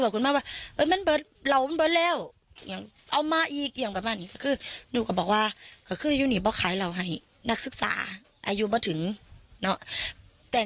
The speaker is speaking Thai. ก็เห็นนอกแล้วคุณมาว่าโละมันเปิดหล่อมันเปิดแล้ว